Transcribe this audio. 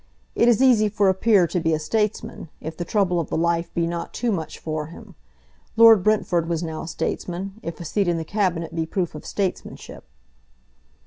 It is easy for a peer to be a statesman, if the trouble of the life be not too much for him. Lord Brentford was now a statesman, if a seat in the Cabinet be proof of statesmanship.